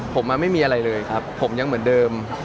ผมติดอยู่แล้วกันมากกว่า